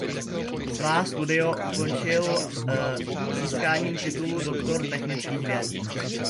Svá studia ukončil získáním titulu doktor technických věd.